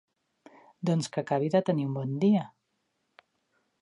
Doncs que acabi de tenir un bon dia.